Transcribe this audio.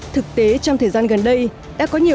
thực tế trong thời gian gần đây đã có nhiều